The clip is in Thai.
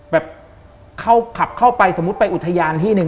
แบบเข้าขับเข้าไปสมมุติไปอุทยานที่หนึ่ง